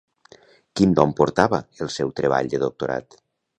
Quin nom portava el seu treball de doctorat?